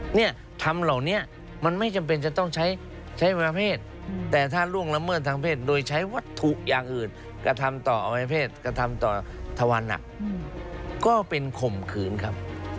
เนี่ยทำเหล่านี้มันไม่จำเป็นจะต้องใช้ใช้ประเภทแต่ถ้าล่วงละเมิดทางเพศโดยใช้วัตถุอย่างอื่นกระทำต่ออวัยเพศกระทำต่อทวันก็เป็นข่มขืนครับ